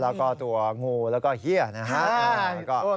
แล้วก็ตัวงูแล้วก็เฮียนะครับ